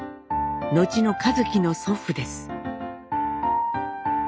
後の一輝の祖父です。